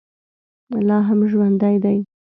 لا هم ژوندی دی.